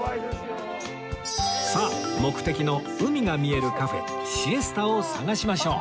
さあ目的の海が見えるカフェシエスタを探しましょう